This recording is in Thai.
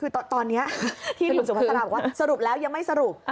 คือตอนนี้ที่คุณสุภาษาบอกว่าสรุปแล้วยังไม่สรุป